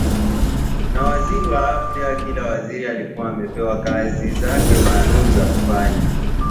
na waziri wa afya kila waziri akiwa amepewa kazi zake maalum za kufanya